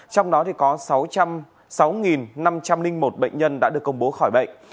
trong đó có sáu trăm linh sáu năm trăm linh một bệnh nhân đã được công bố khỏi bệnh